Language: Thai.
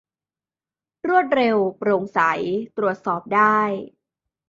รวดเร็ว โปร่งใส ตรวจสอบได้